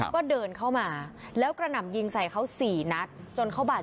ก็เดินเข้ามาแล้วกระหนำยิงใส่เขา๔นัด